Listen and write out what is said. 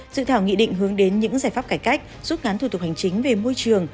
dự thảo nghị định hướng đến những giải pháp cải cách rút ngắn thủ tục hành chính về môi trường